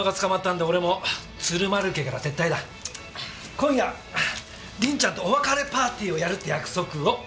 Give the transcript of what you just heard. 今夜りんちゃんとお別れパーティーをやるって約束をねっ。